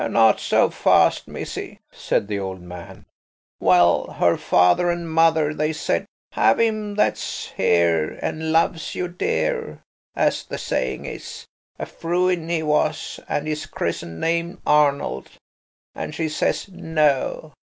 "Not so fast, missy," said the old man. "Well, her father and mother, they said, 'Have him that's here and loves you, dear,' as the saying is–a Frewin he was, and his christened name Arnold. And she says 'No.'